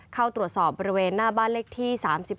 เข้าตรวจสอบบริเวณหน้าบ้านเลขที่๓๔